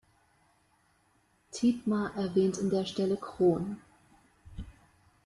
Thietmar erwähnt in der Stelle Chron.